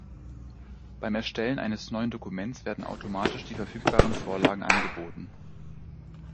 Beim Erstellen eines neuen Dokuments werden automatisch die verfügbaren Vorlagen angeboten.